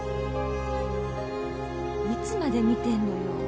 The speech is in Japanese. いつまで見てんのよ。